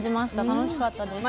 楽しかったです。